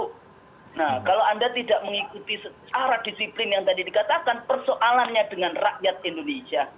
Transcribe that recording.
nah kalau anda tidak mengikuti arah disiplin yang tadi dikatakan persoalannya dengan rakyat indonesia